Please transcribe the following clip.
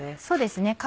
そうですね。